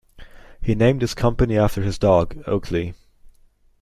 He named his company after his dog, Oakley.